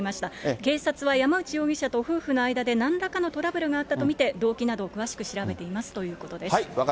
警察は山内容疑者と夫婦の間で、なんらかのトラブルがあったと見て、動機などを詳しく調べていますということです。